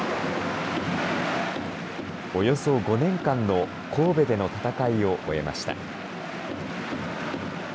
およそ５年間の神戸での戦いを終えました。